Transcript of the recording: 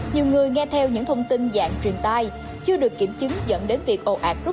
nhiều người nghe theo những thông tin dạng truyền tai chưa được kiểm chứng dẫn đến việc ồ ạt rút tiền tại ngân hàng scb